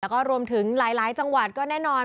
แล้วก็รวมถึงหลายจังหวัดก็แน่นอน